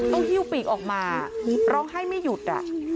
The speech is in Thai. หิ้วปีกออกมาร้องไห้ไม่หยุด